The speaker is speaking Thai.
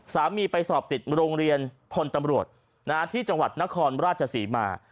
ไปสอบติดโรงเรียนพลตำรวจที่จังหวัดนครราชศรีมา